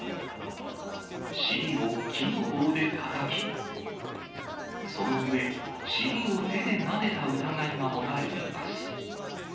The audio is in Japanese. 尻を木の棒でたたき、その上、尻を手でなでた疑いが持たれています。